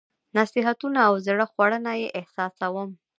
نصيحتونه او زړه خوړنه یې احساسوم.